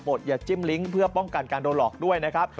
อย่าจิ้มลิงก์เพื่อป้องกันการโดนหลอกด้วยนะครับ